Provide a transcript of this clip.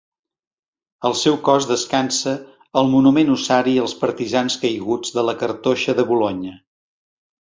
El seu cos descansa al Monument Ossari als Partisans Caiguts de la Cartoixa de Bolonya.